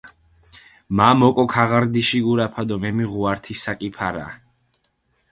მა მოკო ქაღარდიში გურაფა დო მემიღუ ართი საკი ფარა.